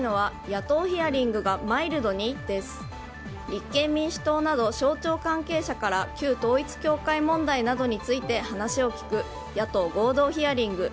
立憲民主党など省庁関係者から旧統一教会問題などについて話を聞く野党合同ヒアリング。